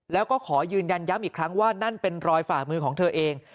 แล้วก็ขอยืนยันย้ำอีกครั้งว่านั่นเป็นรอยฝ่ามือของเธอเอง